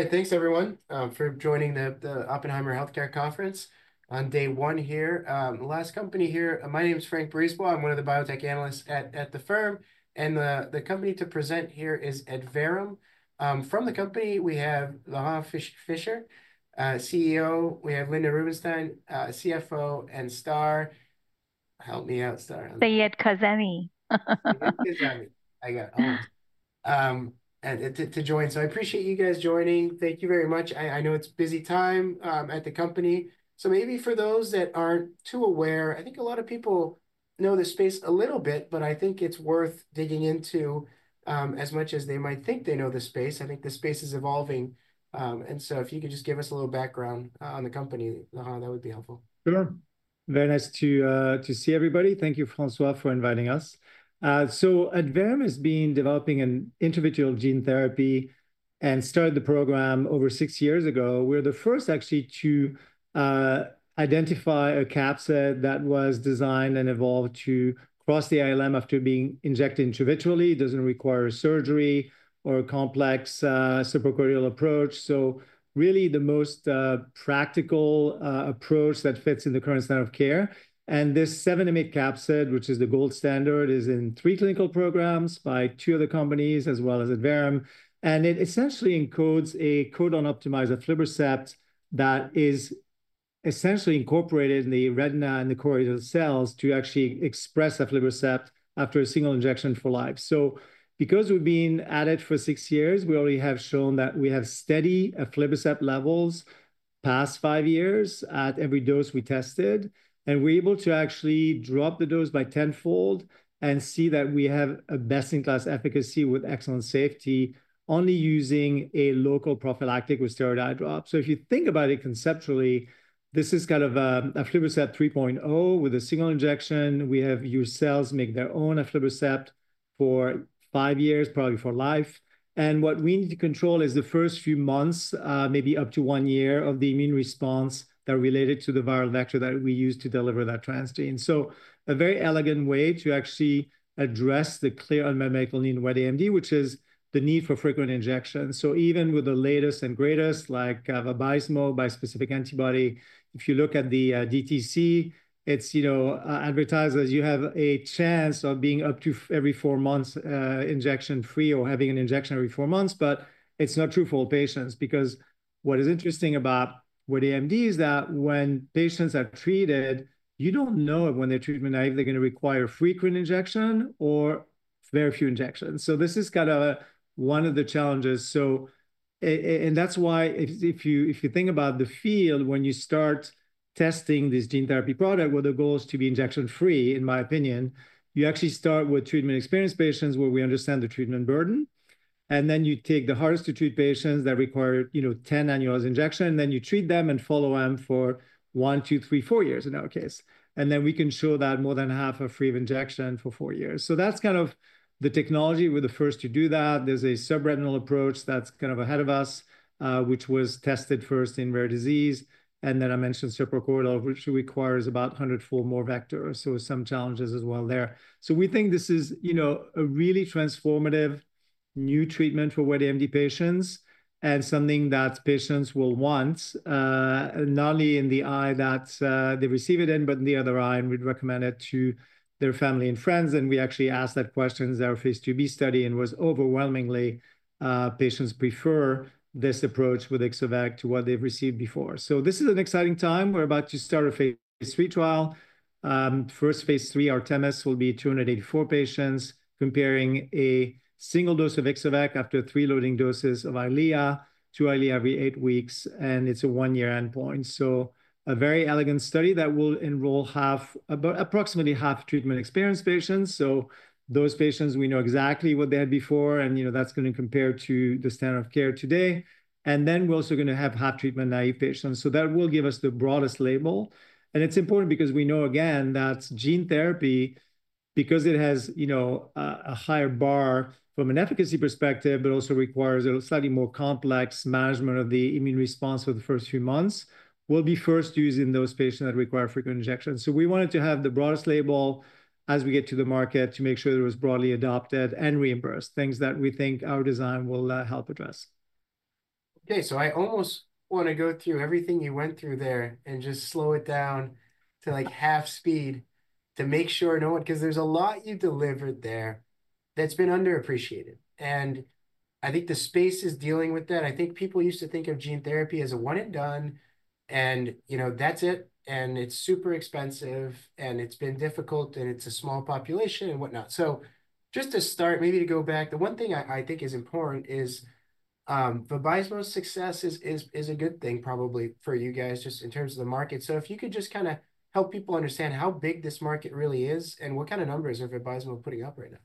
All right, thanks everyone for joining the Oppenheimer Healthcare Conference on day one here. Last company here, my name is Frank Brisebois. I'm one of the biotech analysts at the firm, and the company to present here is Adverum. From the company, we have Laurent Fischer, CEO. We have Linda Rubinstein, CFO, and Star—help me out, Star. Seyedkazemi. Seyedkazemi. I got it. To join, I appreciate you guys joining. Thank you very much. I know it's a busy time at the company. Maybe for those that aren't too aware, I think a lot of people know the space a little bit, but I think it's worth digging into as much as they might think they know the space. I think the space is evolving. If you could just give us a little background on the company, that would be helpful. Sure. Very nice to see everybody. Thank you, François, for inviting us. Adverum has been developing an intravitreal gene therapy and started the program over six years ago. We're the first, actually, to identify a capsid that was designed and evolved to cross the ILM after being injected intravitreally. It doesn't require surgery or a complex suprachoroidal approach. It is really the most practical approach that fits in the current standard of care. This AAV.7m8 capsid, which is the gold standard, is in three clinical programs by two other companies as well as Adverum. It essentially encodes a codon-optimized aflibercept that is essentially incorporated in the retina and the choroidal cells to actually express aflibercept after a single injection for life. Because we've been at it for six years, we already have shown that we have steady aflibercept levels past five years at every dose we tested. We're able to actually drop the dose by tenfold and see that we have a best-in-class efficacy with excellent safety only using a local prophylactic with steroid eye drops. If you think about it conceptually, this is kind of aflibercept 3.0 with a single injection. We have your cells make their own aflibercept for five years, probably for life. What we need to control is the first few months, maybe up to one year of the immune response that are related to the viral vector that we use to deliver that transgene. A very elegant way to actually address the clear unmet need in wet AMD, which is the need for frequent injections. Even with the latest and greatest like a Vabysmo bispecific antibody, if you look at the DTC, it's advertised as you have a chance of being up to every four months injection-free or having an injection every four months. It's not true for all patients because what is interesting about wet AMD is that when patients are treated, you don't know when their treatment, if they're going to require frequent injection or very few injections. This is kind of one of the challenges. That's why if you think about the field, when you start testing this gene therapy product where the goal is to be injection-free, in my opinion, you actually start with treatment experienced patients where we understand the treatment burden. You take the hardest-to-treat patients that require 10 annualized injections, and then you treat them and follow them for one, two, three, four years in our case. We can show that more than half are free of injection for four years. That is kind of the technology we are the first to do. There is a subretinal approach that is kind of ahead of us, which was tested first in rare disease. I mentioned suprachoroidal, which requires about 100-fold more vectors. Some challenges as well there. We think this is a really transformative new treatment for wet AMD patients and something that patients will want, not only in the eye that they receive it in, but in the other eye, and we would recommend it to their family and friends. We actually asked that question in our phase IIb study and it was overwhelmingly patients prefer this approach with Ixo-vec to what they've received before. This is an exciting time. We're about to start a phase III trial. The first phase III, Artemis, will be 284 patients comparing a single dose of Ixo-vec after three loading doses of Eylea to Eylea every eight weeks. It is a one-year endpoint. A very elegant study that will enroll approximately half treatment-experienced patients. Those patients, we know exactly what they had before, and that's going to compare to the standard of care today. We are also going to have half treatment-naive patients. That will give us the broadest label. It is important because we know, again, that gene therapy, because it has a higher bar from an efficacy perspective, but also requires a slightly more complex management of the immune response for the first few months, will be first used in those patients that require frequent injections. We wanted to have the broadest label as we get to the market to make sure it was broadly adopted and reimbursed, things that we think our design will help address. Okay, I almost want to go through everything you went through there and just slow it down to like half speed to make sure no one—because there's a lot you delivered there that's been underappreciated. I think the space is dealing with that. I think people used to think of gene therapy as a one-and-done, and that's it. It's super expensive, and it's been difficult, and it's a small population and whatnot. Just to start, maybe to go back, the one thing I think is important is Vabysmo's success is a good thing probably for you guys just in terms of the market. If you could just kind of help people understand how big this market really is and what kind of numbers Vabysmo is putting up right now.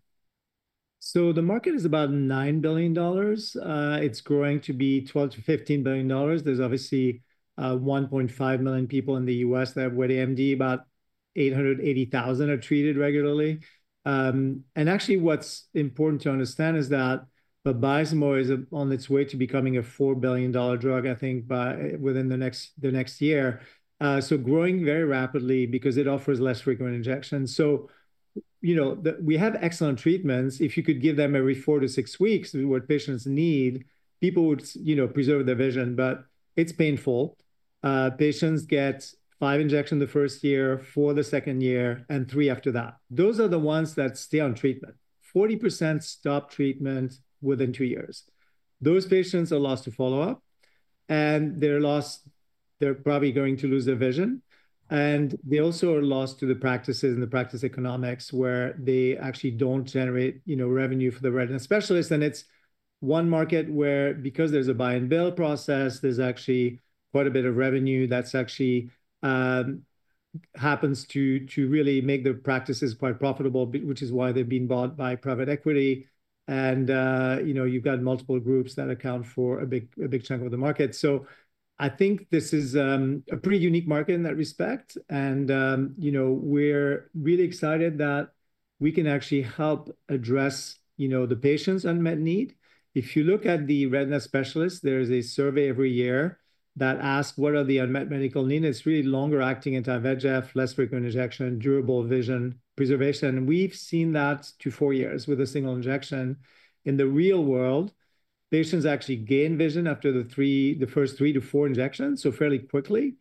The market is about $9 billion. It's growing to be $12-$15 billion. There's obviously 1.5 million people in the U.S. that have wet AMD, about 880,000 are treated regularly. Actually, what's important to understand is that Vabysmo is on its way to becoming a $4 billion drug, I think, within the next year. Growing very rapidly because it offers less frequent injections. We have excellent treatments. If you could give them every four to six weeks, what patients need, people would preserve their vision, but it's painful. Patients get five injections the first year, four the second year, and three after that. Those are the ones that stay on treatment. 40% stop treatment within two years. Those patients are lost to follow-up, and they're lost. They're probably going to lose their vision. They also are lost to the practices and the practice economics where they actually don't generate revenue for the retina specialists. It is one market where, because there's a buy-and-bill process, there's actually quite a bit of revenue that actually happens to really make the practices quite profitable, which is why they've been bought by private equity. You have multiple groups that account for a big chunk of the market. I think this is a pretty unique market in that respect. We are really excited that we can actually help address the patient's unmet need. If you look at the retina specialists, there is a survey every year that asks, what are the unmet medical needs? It's really longer-acting anti-VEGF, less frequent injection, durable vision preservation. We have seen that to four years with a single injection. In the real world, patients actually gain vision after the first three to four injections, so fairly quickly.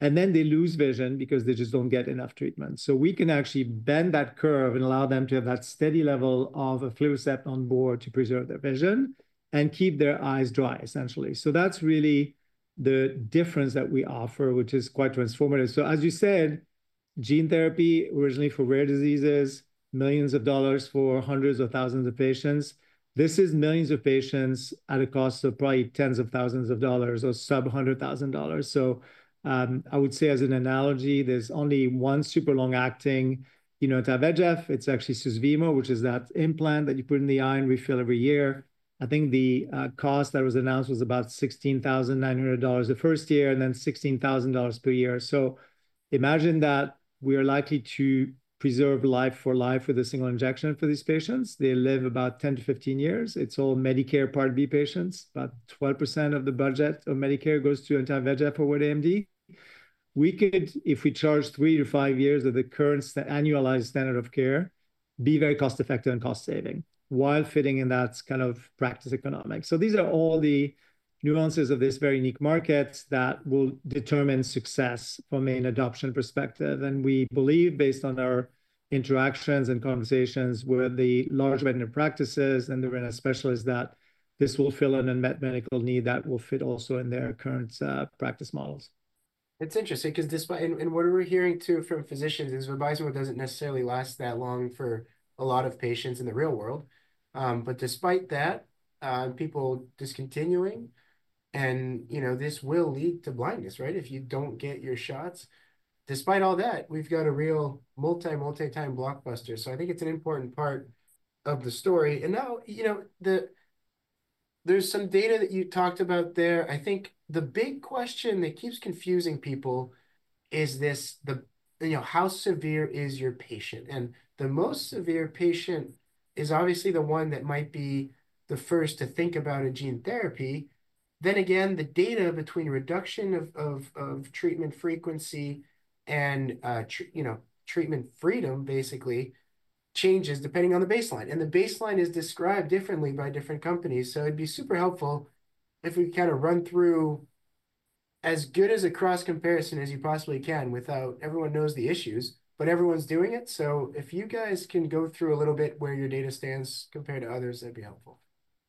Then they lose vision because they just don't get enough treatment. We can actually bend that curve and allow them to have that steady level of aflibercept on board to preserve their vision and keep their eyes dry, essentially. That's really the difference that we offer, which is quite transformative. As you said, gene therapy originally for rare diseases, millions of dollars for hundreds of thousands of patients. This is millions of patients at a cost of probably tens of thousands of dollars or sub $100,000. I would say as an analogy, there's only one super long-acting anti-VEGF. It's actually Susvimo, which is that implant that you put in the eye and refill every year. I think the cost that was announced was about $16,900 the first year and then $16,000 per year. Imagine that we are likely to preserve life for life with a single injection for these patients. They live about 10 to 15 years. It's all Medicare Part B patients. About 12% of the budget of Medicare goes to anti-VEGF for wet AMD. We could, if we charge three to five years of the current annualized standard of care, be very cost-effective and cost-saving while fitting in that kind of practice economics. These are all the nuances of this very unique market that will determine success from an adoption perspective. We believe, based on our interactions and conversations with the large retina practices and the retina specialists, that this will fill an unmet medical need that will fit also in their current practice models. It's interesting because what we're hearing too from physicians is Vabysmo doesn't necessarily last that long for a lot of patients in the real world. Despite that, people discontinuing, and this will lead to blindness, right, if you don't get your shots. Despite all that, we've got a real multi-multi-time blockbuster. I think it's an important part of the story. Now there's some data that you talked about there. I think the big question that keeps confusing people is how severe is your patient. The most severe patient is obviously the one that might be the first to think about a gene therapy. Then again, the data between reduction of treatment frequency and treatment freedom basically changes depending on the baseline. The baseline is described differently by different companies. It would be super helpful if we kind of run through as good as a cross comparison as you possibly can without everyone knows the issues, but everyone's doing it. If you guys can go through a little bit where your data stands compared to others, that would be helpful.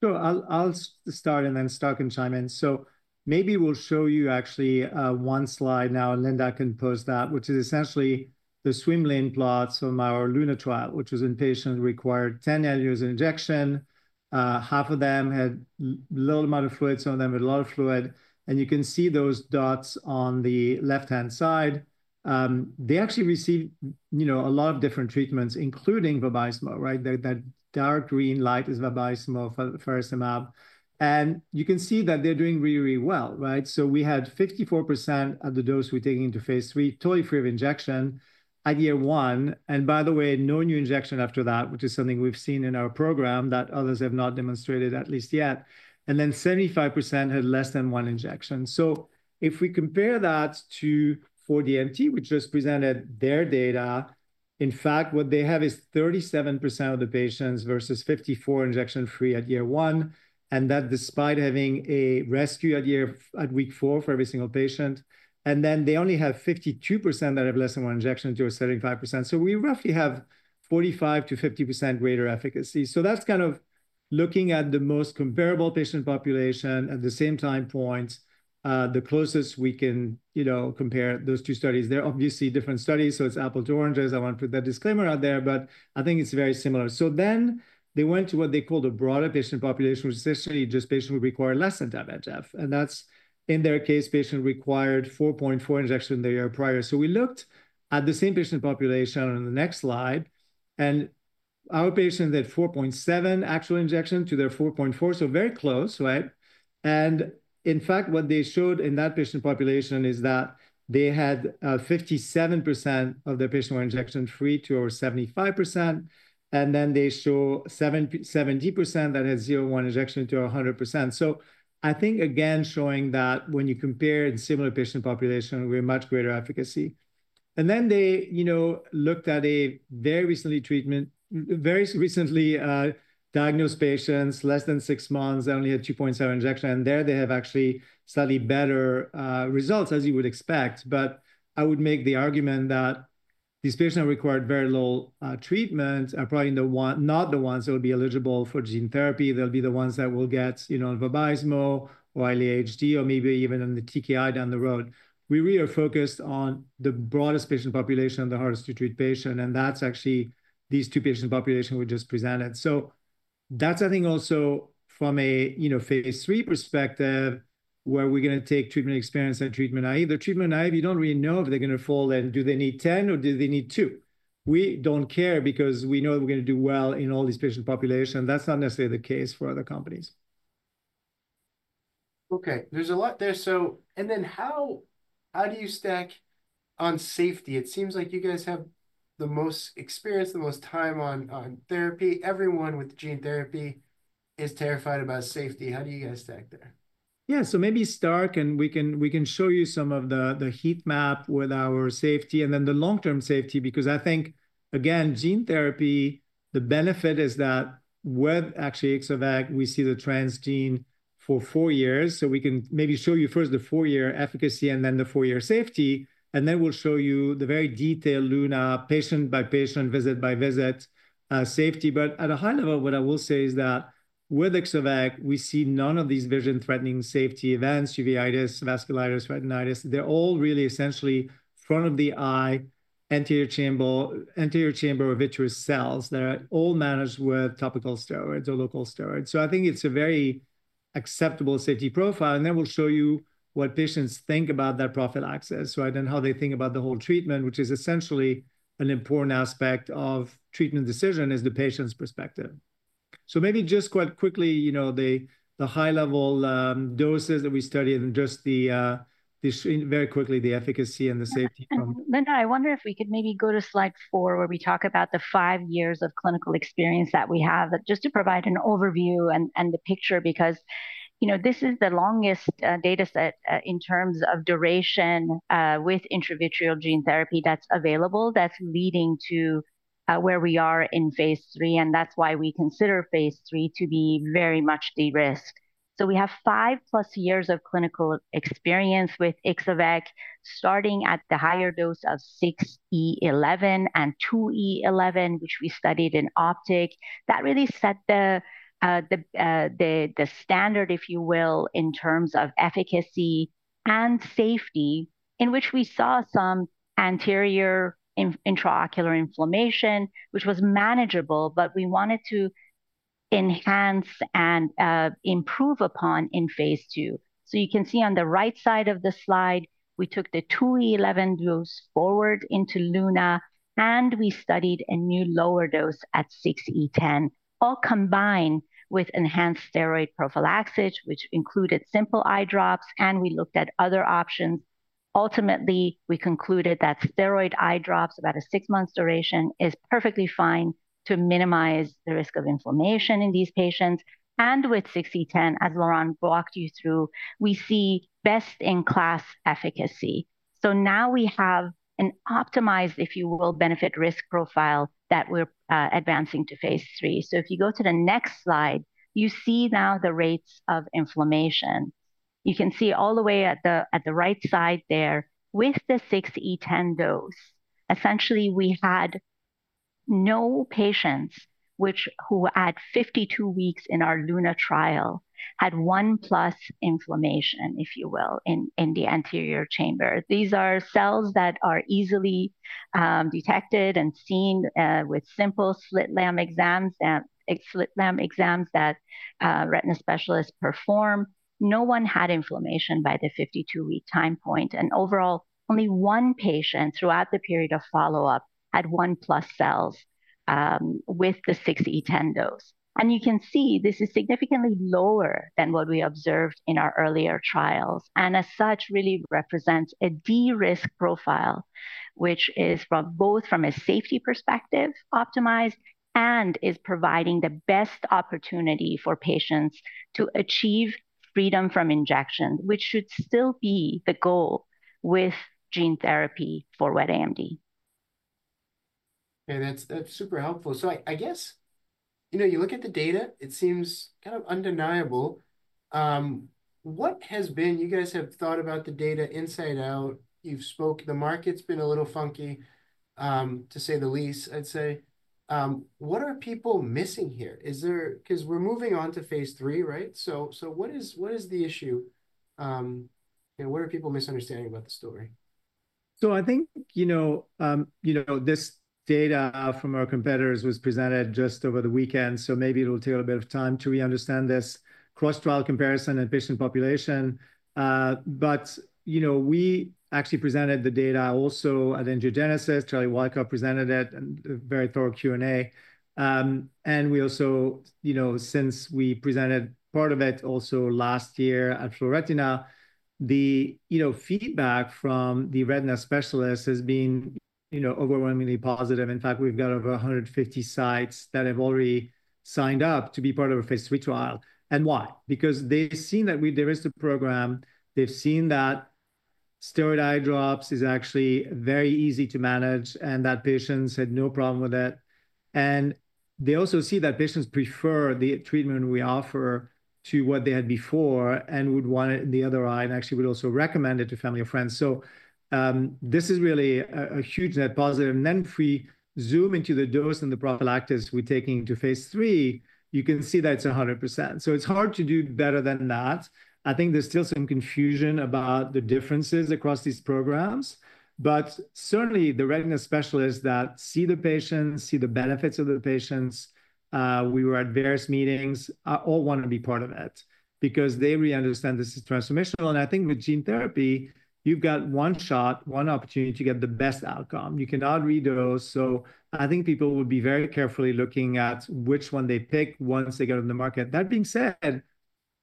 I'll start and then Star can chime in. Maybe we'll show you actually one slide now, and Linda can post that, which is essentially the swim lane plots from our Luna trial, which was in patients who required 10 LUs injection. Half of them had a little amount of fluid, some of them had a lot of fluid. You can see those dots on the left-hand side. They actually received a lot of different treatments, including Vabysmo, right? That dark green light is Vabysmo for SMM. You can see that they're doing really, really well, right? We had 54% of the dose we're taking into phase III, totally free of injection at year one. By the way, no new injection after that, which is something we've seen in our program that others have not demonstrated at least yet. Then 75% had less than one injection. If we compare that to 4DMT, which just presented their data, in fact, what they have is 37% of the patients versus 54% injection-free at year one. That is despite having a rescue at week four for every single patient. They only have 52% that have less than one injection to a 75%. We roughly have 45%-50% greater efficacy. That is kind of looking at the most comparable patient population at the same time point, the closest we can compare those two studies. They are obviously different studies. It is apples to oranges. I want to put that disclaimer out there, but I think it is very similar. They went to what they called a broader patient population, which is essentially just patients who require less anti-VEGF. In their case, patients required 4.4 injections in the year prior. We looked at the same patient population on the next slide. Our patients had 4.7 actual injections to their 4.4, so very close, right? In fact, what they showed in that patient population is that they had 57% of their patients who were injection-free to over 75%. They show 70% that had 0.1 injections to 100%. I think, again, showing that when you compare in similar patient population, we have much greater efficacy. They looked at very recently diagnosed patients, less than six months, only had 2.7 injections. There they have actually slightly better results, as you would expect. I would make the argument that these patients that required very little treatment are probably not the ones that will be eligible for gene therapy. They'll be the ones that will get Vabysmo or ILM or maybe even the TKI down the road. We really are focused on the broadest patient population and the hardest-to-treat patient. That's actually these two patient populations we just presented. I think also from a phase III perspective where we're going to take treatment experience and treatment naive. The treatment naive, you don't really know if they're going to fall in. Do they need 10, or do they need 2? We don't care because we know that we're going to do well in all these patient populations. That's not necessarily the case for other companies. Okay, there's a lot there. How do you stack on safety? It seems like you guys have the most experience, the most time on therapy. Everyone with gene therapy is terrified about safety. How do you guys stack there? Yeah, so maybe Star, and we can show you some of the heat map with our safety and then the long-term safety, because I think, again, gene therapy, the benefit is that with actually Ixo-vec, we see the transgene for four years. We can maybe show you first the four-year efficacy and then the four-year safety. Then we'll show you the very detailed Luna patient-by-patient, visit-by-visit safety. At a high level, what I will say is that with Ixo-vec, we see none of these vision-threatening safety events, uveitis, vasculitis, retinitis. They're all really essentially front-of-the-eye, anterior chamber or vitreous cells that are all managed with topical steroids or local steroids. I think it's a very acceptable safety profile. We will show you what patients think about that prophylaxis, right, and how they think about the whole treatment, which is essentially an important aspect of treatment decision is the patient's perspective. Maybe just quite quickly, the high-level doses that we studied and just very quickly the efficacy and the safety. Linda, I wonder if we could maybe go to slide four where we talk about the five years of clinical experience that we have just to provide an overview and the picture because this is the longest data set in terms of duration with intravitreal gene therapy that's available that's leading to where we are in phase III. That is why we consider phase III to be very much de-risked. We have five-plus years of clinical experience with Ixo-vec starting at the higher dose of 6E11 and 2E11, which we studied in OPTIC. That really set the standard, if you will, in terms of efficacy and safety in which we saw some anterior intraocular inflammation, which was manageable, but we wanted to enhance and improve upon in phase II. You can see on the right side of the slide, we took the 2E11 dose forward into Luna, and we studied a new lower dose at 6E10, all combined with enhanced steroid prophylaxis, which included simple eye drops, and we looked at other options. Ultimately, we concluded that steroid eye drops about a six-month duration is perfectly fine to minimize the risk of inflammation in these patients. With 6E10, as Laurent walked you through, we see best-in-class efficacy. Now we have an optimized, if you will, benefit-risk profile that we're advancing to phase III. If you go to the next slide, you see now the rates of inflammation. You can see all the way at the right side there with the 6E10 dose. Essentially, we had no patients who at 52 weeks in our Luna trial had 1+ inflammation, if you will, in the anterior chamber. These are cells that are easily detected and seen with simple slit lamp exams that retina specialists perform. No one had inflammation by the 52-week time point. Overall, only one patient throughout the period of follow-up had 1+ cells with the 6E10 dose. You can see this is significantly lower than what we observed in our earlier trials and as such really represents a de-risk profile, which is both from a safety perspective optimized and is providing the best opportunity for patients to achieve freedom from injection, which should still be the goal with gene therapy for wet AMD. Okay, that's super helpful. I guess you look at the data, it seems kind of undeniable. What has been, you guys have thought about the data inside out. The market's been a little funky, to say the least, I'd say. What are people missing here? Because we're moving on to phase III, right? What is the issue? What are people misunderstanding about the story? I think this data from our competitors was presented just over the weekend. Maybe it'll take a little bit of time to re-understand this cross-trial comparison and patient population. We actually presented the data also at AngioGenesis. Charlie Wykoff presented it in a very thorough Q&A. We also, since we presented part of it last year at Fluoretina, the feedback from the retina specialists has been overwhelmingly positive. In fact, we've got over 150 sites that have already signed up to be part of a phase III trial. Why? Because they've seen that there is the program. They've seen that steroid eye drops is actually very easy to manage and that patients had no problem with it. They also see that patients prefer the treatment we offer to what they had before and would want it in the other eye and actually would also recommend it to family or friends. This is really a huge net positive. If we zoom into the dose and the prophylaxis we're taking into phase III, you can see that it's 100%. It's hard to do better than that. I think there's still some confusion about the differences across these programs. Certainly, the retina specialists that see the patients, see the benefits of the patients, we were at various meetings, all want to be part of it because they really understand this is transformational. I think with gene therapy, you've got one shot, one opportunity to get the best outcome. You cannot redose. I think people will be very carefully looking at which one they pick once they get on the market. That being said,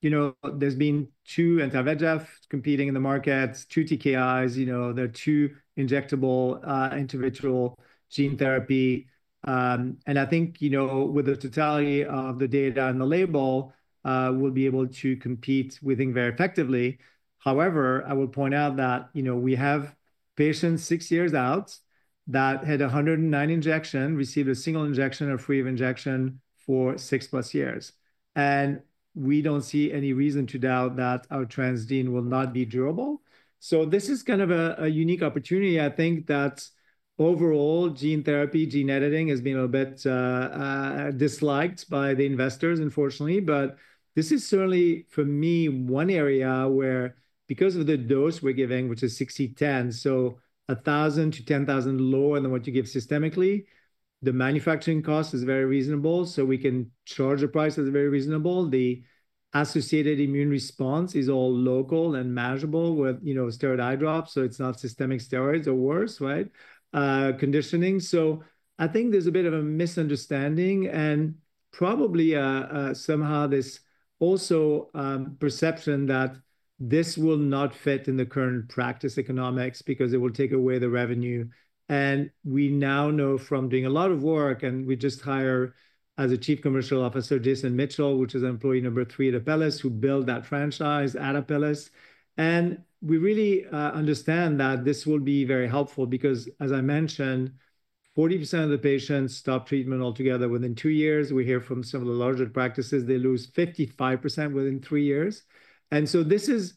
there's been two anti-VEGF competing in the market, two TKIs. There are two injectable intravitreal gene therapy. I think with the totality of the data and the label, we'll be able to compete with them very effectively. However, I will point out that we have patients six years out that had 109 injections, received a single injection or free of injection for six-plus years. We don't see any reason to doubt that our transgene will not be durable. This is kind of a unique opportunity. I think that overall, gene therapy, gene editing has been a bit disliked by the investors, unfortunately. This is certainly, for me, one area where because of the dose we're giving, which is 60/10, so 1,000 to 10,000 lower than what you give systemically, the manufacturing cost is very reasonable. We can charge a price that's very reasonable. The associated immune response is all local and manageable with steroid eye drops. It's not systemic steroids or worse, right, conditioning. I think there's a bit of a misunderstanding and probably somehow this also perception that this will not fit in the current practice economics because it will take away the revenue. We now know from doing a lot of work, and we just hired, as Chief Commercial Officer, Jason Mitchell, which is employee number three at Apellis, who built that franchise at Apellis. We really understand that this will be very helpful because, as I mentioned, 40% of the patients stop treatment altogether within two years. We hear from some of the larger practices, they lose 55% within three years. This is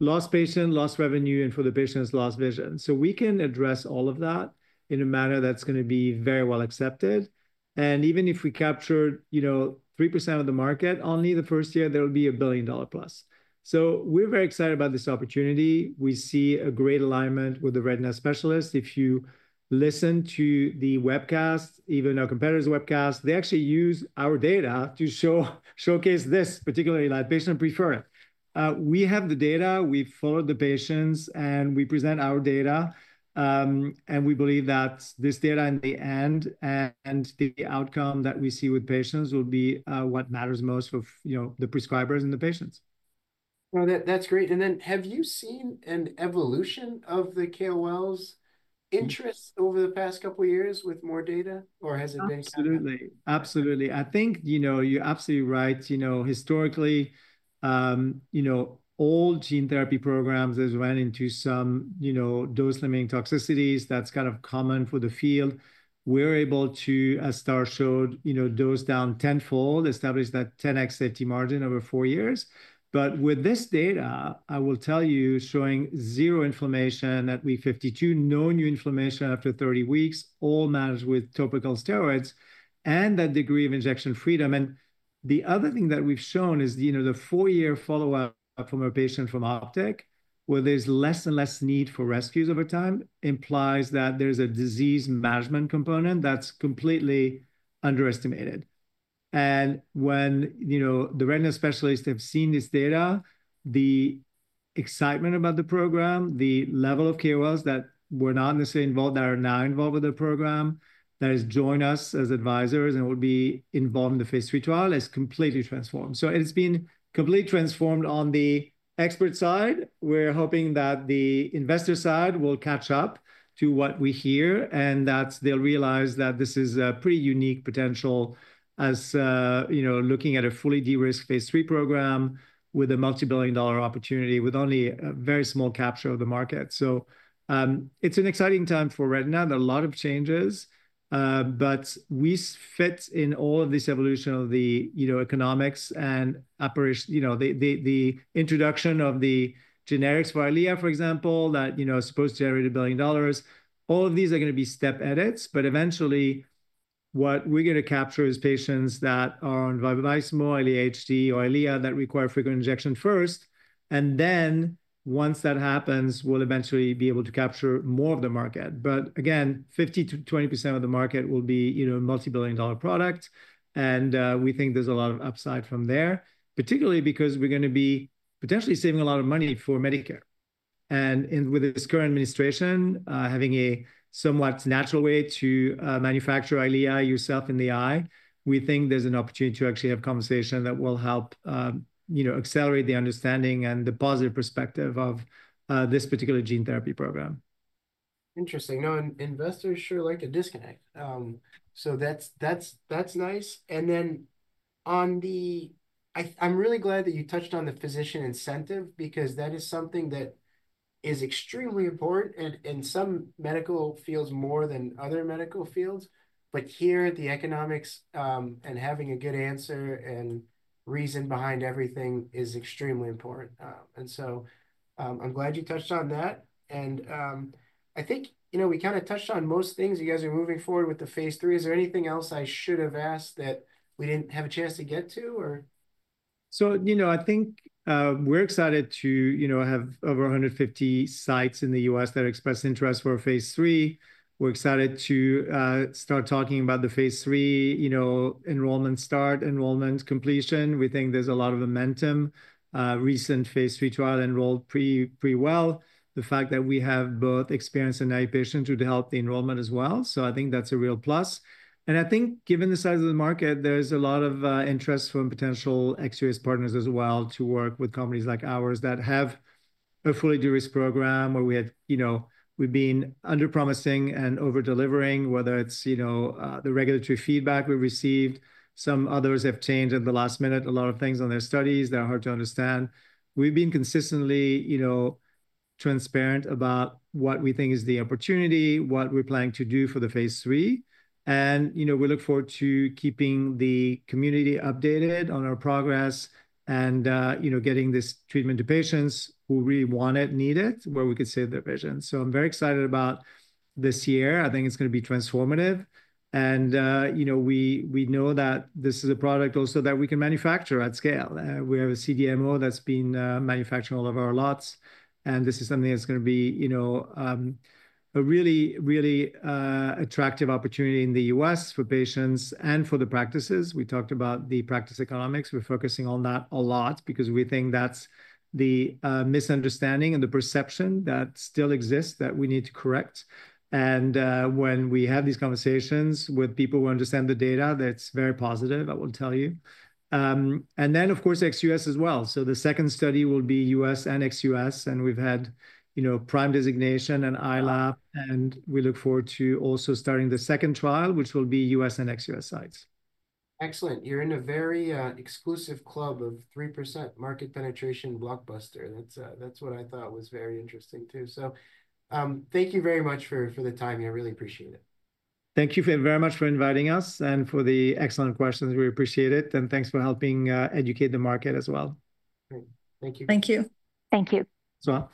lost patient, lost revenue, and for the patients, lost vision. We can address all of that in a manner that's going to be very well accepted. Even if we captured 3% of the market only the first year, there will be a billion dollar plus. We're very excited about this opportunity. We see a great alignment with the retina specialists. If you listen to the webcast, even our competitors' webcast, they actually use our data to showcase this, particularly like patient preferred. We have the data. We follow the patients, and we present our data. We believe that this data in the end and the outcome that we see with patients will be what matters most for the prescribers and the patients. That's great. Have you seen an evolution of the KOL's interest over the past couple of years with more data, or has it been? Absolutely. Absolutely. I think you're absolutely right. Historically, all gene therapy programs have run into some dose-limiting toxicities. That's kind of common for the field. We're able to, as Star showed, dose down tenfold, established that 10x safety margin over four years. With this data, I will tell you, showing zero inflammation at week 52, no new inflammation after 30 weeks, all managed with topical steroids and that degree of injection freedom. The other thing that we've shown is the four-year follow-up from a patient from Optic, where there's less and less need for rescues over time, implies that there's a disease management component that's completely underestimated. When the retina specialists have seen this data, the excitement about the program, the level of KOLs that were not necessarily involved that are now involved with the program, that has joined us as advisors and will be involved in the phase III trial, has completely transformed. It has been completely transformed on the expert side. We're hoping that the investor side will catch up to what we hear and that they'll realize that this is a pretty unique potential as looking at a fully de-risked phase III program with a multi-billion dollar opportunity with only a very small capture of the market. It's an exciting time for retina. There are a lot of changes, but we fit in all of this evolution of the economics and the introduction of the generics for Eylea, for example, that's supposed to generate $1 billion. All of these are going to be step edits. Eventually, what we're going to capture is patients that are on Eylea that require frequent injection first. Once that happens, we'll eventually be able to capture more of the market. Again, 15%-20% of the market will be a multi-billion dollar product. We think there's a lot of upside from there, particularly because we're going to be potentially saving a lot of money for Medicare. With this current administration, having a somewhat natural way to manufacture Eylea yourself in the eye, we think there's an opportunity to actually have conversation that will help accelerate the understanding and the positive perspective of this particular gene therapy program. Interesting. No, investors sure like to disconnect. That's nice. I'm really glad that you touched on the physician incentive because that is something that is extremely important in some medical fields more than other medical fields. Here, the economics and having a good answer and reason behind everything is extremely important. I'm glad you touched on that. I think we kind of touched on most things. You guys are moving forward with the phase III. Is there anything else I should have asked that we didn't have a chance to get to, or? I think we're excited to have over 150 sites in the U.S. that express interest for phase III. We're excited to start talking about the phase III enrollment start, enrollment completion. We think there's a lot of momentum. Recent phase III trial enrolled pretty well. The fact that we have both experienced and eye patients would help the enrollment as well. I think that's a real plus. I think given the size of the market, there's a lot of interest from potential ex-U.S. partners as well to work with companies like ours that have a fully de-risked program where we've been underpromising and over-delivering, whether it's the regulatory feedback we've received. Some others have changed at the last minute, a lot of things on their studies. They're hard to understand. We've been consistently transparent about what we think is the opportunity, what we're planning to do for the phase III. We look forward to keeping the community updated on our progress and getting this treatment to patients who really want it, need it, where we could save their vision. I'm very excited about this year. I think it's going to be transformative. We know that this is a product also that we can manufacture at scale. We have a CDMO that's been manufacturing all of our lots. This is something that's going to be a really, really attractive opportunity in the U.S. for patients and for the practices. We talked about the practice economics. We're focusing on that a lot because we think that's the misunderstanding and the perception that still exists that we need to correct. When we have these conversations with people who understand the data, that's very positive, I will tell you. Of course, ex-U.S. as well. The second study will be U.S. and ex-U.S. We've had PRIME designation and ILAP. We look forward to also starting the second trial, which will be U.S. and ex-U.S. sites. Excellent. You're in a very exclusive club of 3% market penetration, blockbuster. That is what I thought was very interesting too. Thank you very much for the time. I really appreciate it. Thank you very much for inviting us and for the excellent questions. We appreciate it. Thank you for helping educate the market as well. Thank you. Thank you. Thank you. That's all.